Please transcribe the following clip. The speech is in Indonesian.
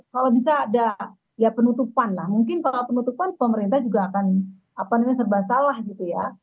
kalau bisa ada ya penutupan lah mungkin kalau penutupan pemerintah juga akan serba salah gitu ya